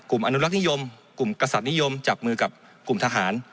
อนุรักษ์นิยมกลุ่มกษัตรินิยมจับมือกับกลุ่มทหาร